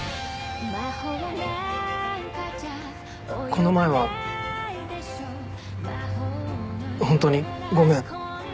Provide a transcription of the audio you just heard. この前はホントにごめん。